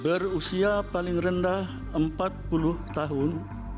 berusia paling rendah empat puluh tahun